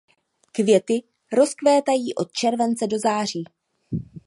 Květy rozkvétají od července do září.